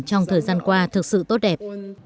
trong thời gian qua thực sự tốt đẹp